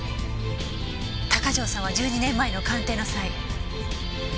鷹城さんは１２年前の鑑定の際。